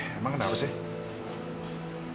emang ada apa sih